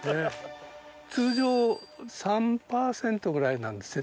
通常３％ぐらいなんですね